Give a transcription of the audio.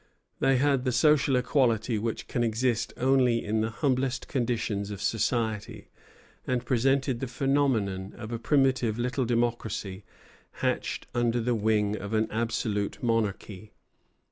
They had the social equality which can exist only in the humblest conditions of society, and presented the phenomenon of a primitive little democracy, hatched under the wing of an absolute monarchy.